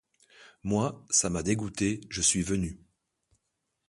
Moi, ça m'a dégoûtée, je suis venue.